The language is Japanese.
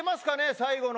最後の。